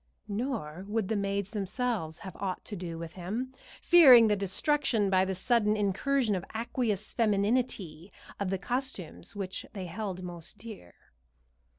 Nor would the maids themselves have aught to do with him, fearing the destruction by the sudden incursion of aqueous femininity of the costumes which they held most dear.